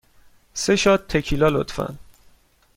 سه شات تکیلا، لطفاً.